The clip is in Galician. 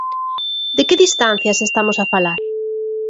De que distancias estamos a falar?